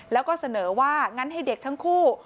แล้วก็เสนอว่างั้นให้เด็กทั้งคู่